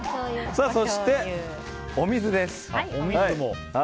そしてお水です。